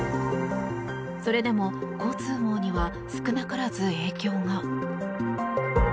それでも交通網には少なからず影響が。